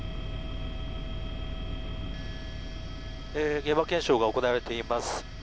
現場検証が行われています。